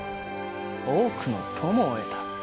多くの友を得た。